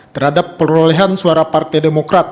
terhadap perolehan suara partai demokrat